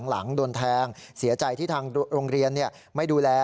หลังโดนแทงเสียใจที่ทางโรงเรียนไม่ดูแล